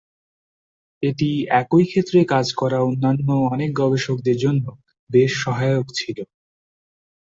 এটি একই ক্ষেত্রে কাজ করা অন্যান্য অনেক গবেষকদের জন্য বেশ সহায়ক ছিল।